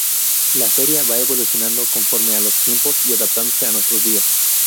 La feria va evolucionando conforme a los tiempos y adaptándose a nuestros días.